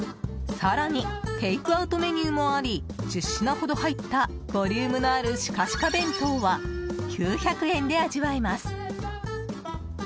更にテイクアウトメニューもあり１０品ほど入ったボリュームのあるｓｈｉｃａｓｈｉｃａ弁当は９００円で味わえます。